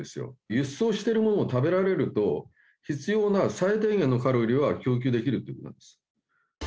輸出をしているものを食べられると、必要な最低限のカロリーは供給できるということなんです。